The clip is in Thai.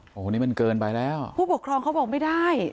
โอ้โหนี่มันเกินไปแล้วผู้ปกครองเขาบอกไม่ได้